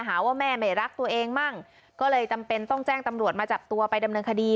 หาว่าแม่ไม่รักตัวเองมั่งก็เลยจำเป็นต้องแจ้งตำรวจมาจับตัวไปดำเนินคดี